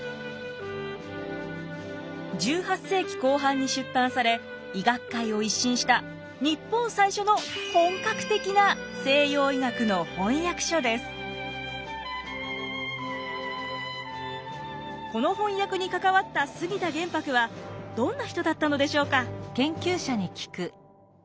１８世紀後半に出版され医学界を一新したこの翻訳に関わった杉田玄白はどんな人だったのでしょうか？